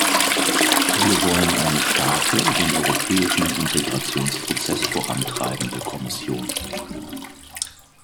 Wir wollen eine starke, den europäischen Integrationsprozess vorantreibende Kommission.